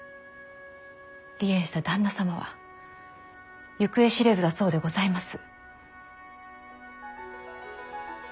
離縁した旦那様は行方知れずだそうでございます。